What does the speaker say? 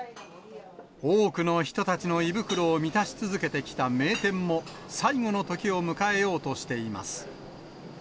多くの人たちの胃袋を満たし続けてきた名店も、最後のときを迎えようとしています。